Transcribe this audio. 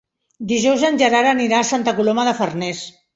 Dijous en Gerard anirà a Santa Coloma de Farners.